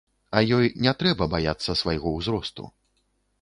А ёй не трэба баяцца свайго ўзросту.